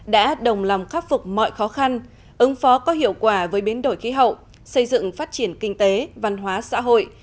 đã đồng lòng khắc phục mọi khó khăn ứng phó có hiệu quả với biến đổi khí hậu